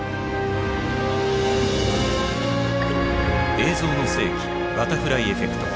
「映像の世紀バタフライエフェクト」。